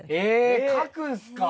え描くんすか？